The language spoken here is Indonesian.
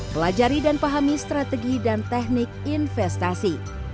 pelajari dan pahami strategi dan teknik investasi